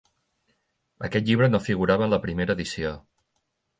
Aquest llibre no figurava en la primera edició.